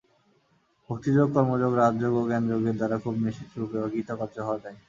ভক্তিযোগ, কর্মযোগ, রাজযোগ ও জ্ঞানযোগের দ্বারা খুব নিশ্চিতরূপে কৃতকার্য হওয়া যায়।